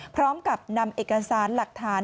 พร้อมกับนำเอกสารหลักฐาน